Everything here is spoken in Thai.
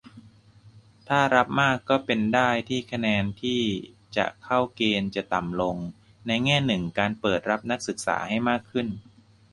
ถ้ารับมากก็เป็นได้ที่คะแนนที่จะเข้าเกณฑ์จะต่ำลง - ในแง่หนึ่ง การเปิดรับนักศึกษาให้มากขึ้น